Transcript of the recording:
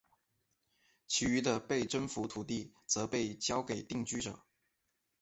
其余的被征服土地则被交给定居者。